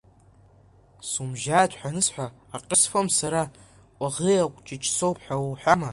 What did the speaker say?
Сумжьаат ҳәа анысҳәа, Аҟьы сфом сара, Кәаӷәиа Кәҷыҷ соуп ҳәа уҳәама?